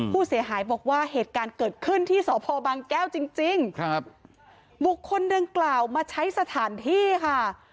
ผู้เสียหายบอกว่าเหตุการณ์เกิดขึ้นที่สพบางแก้วจริงจริงครับบุคคลดังกล่าวมาใช้สถานที่ค่ะ